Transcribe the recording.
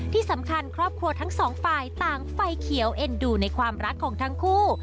ที่สำคัญครอบครัวทั้งสองฝ่ายต่างไฟเขียวเอ็นดูในความรักของทั้งคู่